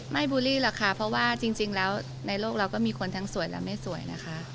บูลลี่หรอกค่ะเพราะว่าจริงแล้วในโลกเราก็มีคนทั้งสวยและไม่สวยนะคะ